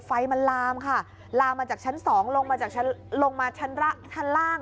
ไฟมันลามค่ะลามมาจากชั้น๒ลงมาชั้นล่าง